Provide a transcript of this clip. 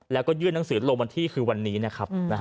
แล้วก็ยื่นหนังสือลงวันที่คือวันนี้นะครับ